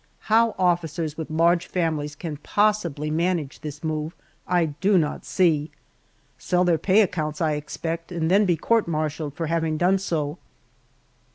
How officers with large families can possibly manage this move I do not see sell their pay accounts I expect, and then be court martialed for having done so.